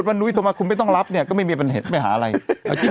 คือถ้าคุณไม่รับก็ไม่มีใครบอก